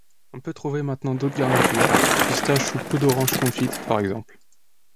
On peut trouver maintenant d'autres garnitures, pistaches ou peau d'orange confite, par exemple.